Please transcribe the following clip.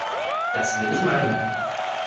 Das will ich meinen!